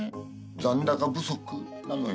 残高不足なのよ。